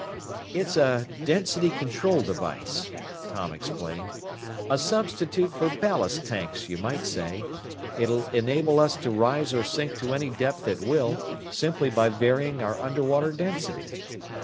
"It's a density control device," Tom explained. "A substitute for ballast tanks, you might say. It'll enable us to rise or sink to any depth at will, simply by varying our underwater density."